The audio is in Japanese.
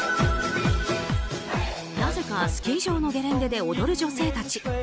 なぜかスキー場のゲレンデで踊る女性たち。